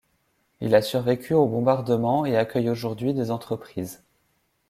Il a survécu aux bombardements et accueille aujourd'hui des entreprises.